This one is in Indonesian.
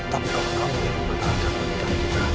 tapi kalau kamu yang mematahkan orang kita